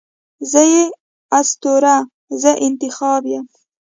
زه یې اسطوره، زه انتخاب یمه